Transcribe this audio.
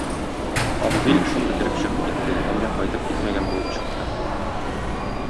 Абзый эшен бетереп чыгып китте, әмма кайтып китмәгән булып чыкты.